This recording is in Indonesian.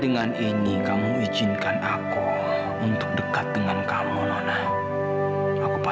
sampai jumpa di video selanjutnya